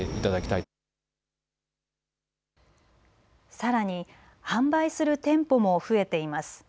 さらに販売する店舗も増えています。